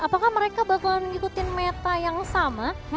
apakah mereka bakalan ngikutin meta yang sama